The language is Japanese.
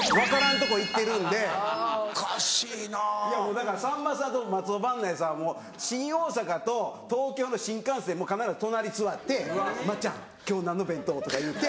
だからさんまさんと松尾伴内さんはもう新大阪と東京の新幹線必ず隣座って「まっちゃん今日何の弁当？」とか言うて。